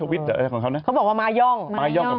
พิวก็เงียบบ้างเออก็จังหาดแล้ว